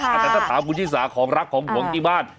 แต่ถ้าถามกว่ามูธิสาของรักของห่วงไอ้บ้าน